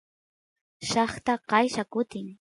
llaqta qaylla kutin